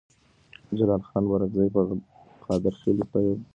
جلال خان بارکزی قادرخیلو ته یو کارېز په خټه ورکړی وو.